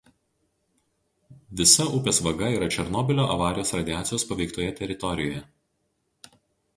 Visa upės vaga yra Černobylio avarijos radiacijos paveiktoje teritorijoje.